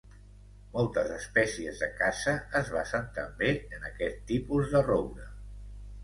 Moltes espècies de caça es basen també en aquest tipus de roure.